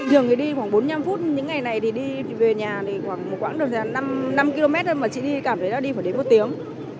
thường thì đi khoảng bốn mươi năm phút những ngày này thì đi về nhà khoảng năm km thôi mà chỉ đi cảm thấy là đi phải đến một tiếng